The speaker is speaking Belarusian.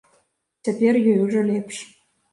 Цяпер ёй ужо лепш.